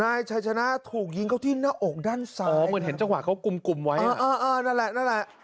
ไหนชัยชนะถูกยิงเขาที่หน้าอกด้านซ้ายก็เห็นใจว่ากับกุมไว้ว่าก็แล้ว